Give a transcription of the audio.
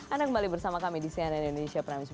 anda kembali bersama kami di cnn indonesia prime news